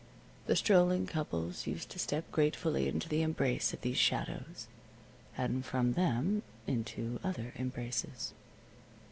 The strolling couples used to step gratefully into the embrace of these shadows, and from them into other embraces.